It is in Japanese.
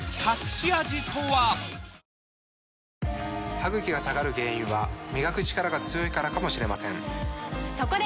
歯ぐきが下がる原因は磨くチカラが強いからかもしれませんそこで！